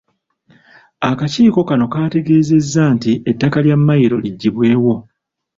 Akakiiko kano kaateesezza nti ettaka lya Mmayiro liggyibwewo.